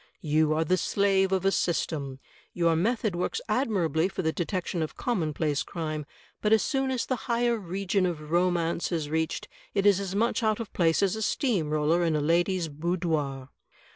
You are the slave of a system. Your method works admirably for the detection of com monplace crime, but as soon as the higher region of romance is reached it is as much out of place as a steam roller in a lady's boudoir.